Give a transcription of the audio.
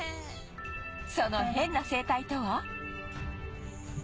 そのヘンな生態とは？